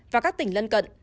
và các tỉnh lân cận